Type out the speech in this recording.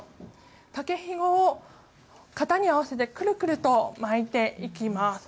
竹ひごを型に合わせてくるくると巻いていきます。